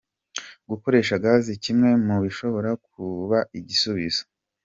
Gukoresha gaz kimwe mu bishobora kuba igisubizo.